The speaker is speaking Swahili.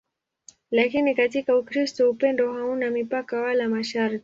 Lakini katika Ukristo upendo hauna mipaka wala masharti.